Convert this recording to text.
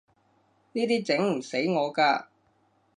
呢啲整唔死我㗎